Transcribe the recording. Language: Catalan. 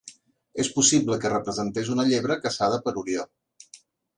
És possible que representés una llebre caçada per Orió.